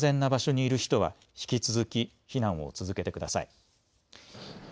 そして、すでに安全な場所にいる人は、引き続き避難を続けてください。